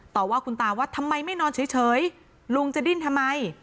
ต่อว่าคุณตาว่าทำไมไม่นอนเฉยลุงจะดิ้นทำไม